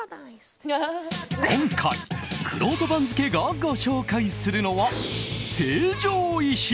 今回、くろうと番付がご紹介するのは成城石井。